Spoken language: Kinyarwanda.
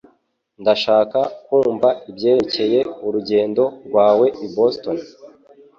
Ndashaka kumva ibyerekeye urugendo rwawe i Boston